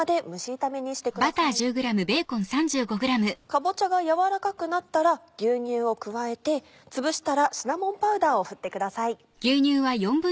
かぼちゃが軟らかくなったら牛乳を加えてつぶしたらシナモンパウダーを振ってください。